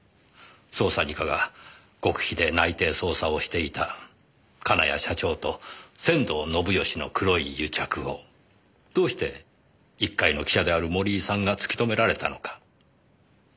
捜査二課が極秘で内偵捜査をしていた金谷社長と仙道信義の黒い癒着をどうして一介の記者である森井さんが突き止められたのか。